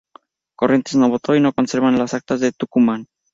Corrientes no votó y no se conservan las actas de Tucumán.